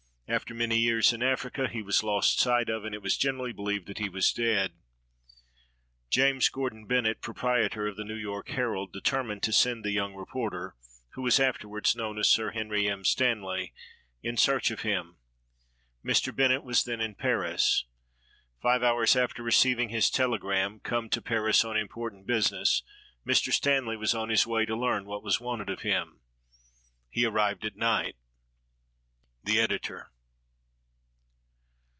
After many years in Africa, he was lost sight of, and It was generally believed that he was dead. James Gordon Bennett, proprietor of the New York "Herald " de termined to send the young reporter, who was afterwards known as Sir Henry M. Stanley, in search of him. Mr. Ben nett was then in Paris. Five hours after receiving his tele gram, "Come to Paris on important business," Mr. Stanley was on his way to learn what was wanted of him. He ar rived at night. The Editor.